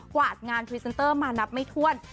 วาดงานพรีเซนเตอร์มานับไม่ถ้วน